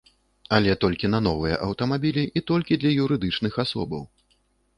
Але толькі на новыя аўтамабілі і толькі для юрыдычных асобаў.